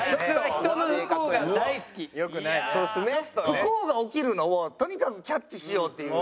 不幸が起きるのをとにかくキャッチしようっていう。